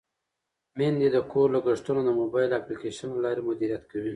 میندې د کور لګښتونه د موبایل اپلیکیشن له لارې مدیریت کوي.